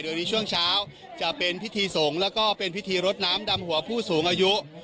โดยในช่วงเช้าจะเป็นพิธีสงฆ์แล้วก็เป็นพิธีรดน้ำดำหัวผู้สูงอายุ